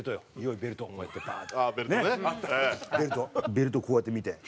ベルトをこうやって見て。